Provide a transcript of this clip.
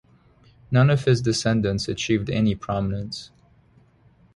None of his descendants achieved any prominence.